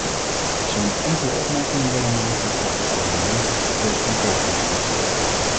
Ik zou nog enkele opmerkingen willen maken over de amendementen op deze ontwerpresolutie.